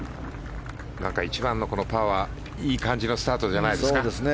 １番のパーはいい感じのスタートじゃないですか。